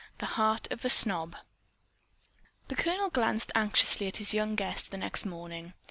THE HEART OF A SNOB The Colonel glanced anxiously at his young guest the next morning.